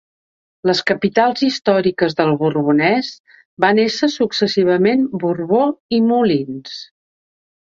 Les capitals històriques del Borbonès van ésser successivament Borbó i Moulins.